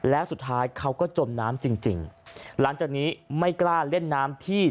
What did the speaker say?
และสุดท้ายเขาก็จบน้ำจริงแล้วร้านแหลกนี้ไม่กล้าเล่นน้ำที่